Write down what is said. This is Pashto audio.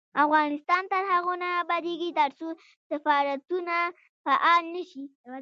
افغانستان تر هغو نه ابادیږي، ترڅو سفارتونه فعال نشي.